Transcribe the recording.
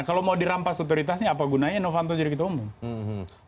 kalau mau dirampas otoritasnya apa gunanya novanto jadi ketua umum